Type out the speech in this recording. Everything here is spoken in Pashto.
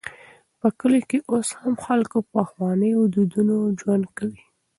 په کلیو کې اوس هم خلک په پخوانيو دودونو ژوند کوي.